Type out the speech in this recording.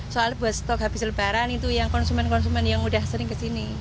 soalnya buat stok habis lebaran itu yang konsumen konsumen yang udah sering kesini